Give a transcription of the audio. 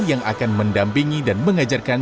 yang akan mendampingi dan mengajarkan